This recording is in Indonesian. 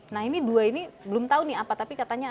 nah ini dua ini belum tahu nih apa tapi katanya